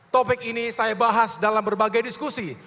topik ini saya bahas dalam berbagai diskusi